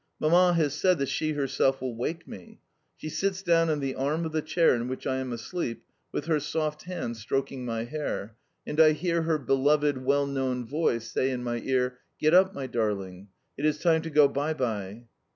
Mamma has said that she herself will wake me. She sits down on the arm of the chair in which I am asleep, with her soft hand stroking my hair, and I hear her beloved, well known voice say in my ear: "Get up, my darling. It is time to go by by."